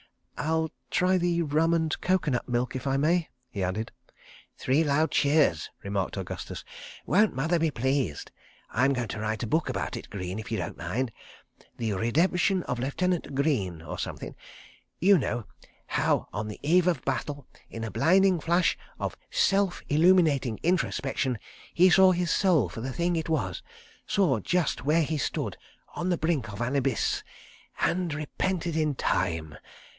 "I'll try the rum and coco nut milk if I may," he added. "Three loud cheers!" remarked Augustus. "Won't mother be pleased! ... I'm going to write a book about it, Greene, if you don't mind. ... 'The Redemption of Lieutenant Greene' or somethin'. ... You know—how on the Eve of Battle, in a blinding flash of self illuminating introspection, he saw his soul for the Thing it was, saw just where he stood—on the brink of an Abyss. ... And repented in time.